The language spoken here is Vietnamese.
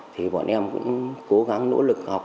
thì bọn em cũng cố gắng nỗ lực học